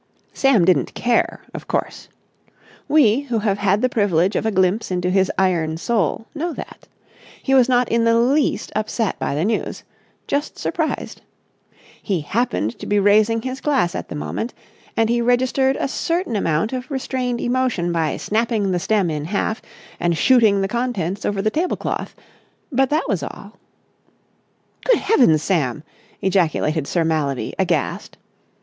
§ 3 Sam didn't care, of course. We, who have had the privilege of a glimpse into his iron soul, know that. He was not in the least upset by the news—just surprised. He happened to be raising his glass at the moment, and he registered a certain amount of restrained emotion by snapping the stem in half and shooting the contents over the tablecloth: but that was all. "Good heavens, Sam!" ejaculated Sir Mallaby, aghast.